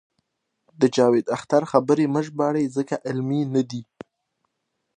د جاوید اختر خبرې مه ژباړئ ځکه علمي نه دي.